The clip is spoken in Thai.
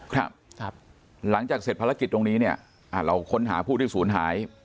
ครับหลังจากเสร็จภารกิจตรงนี้เนี่ยอ่าเราค้นหาผู้ที่ศูนย์หาย